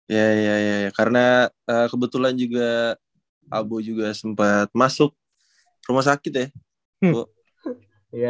iya iya karena kebetulan juga abu juga sempat masuk rumah sakit ya